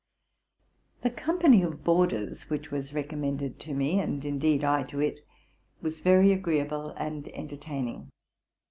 The company of boarders which was recommended to me, and, indeed, I to it, was very agreeable and entertaining.